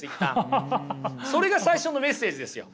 それが最初のメッセージですよ。